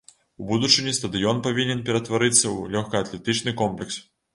У будучыні стадыён павінен ператварыцца ў лёгкаатлетычны комплекс.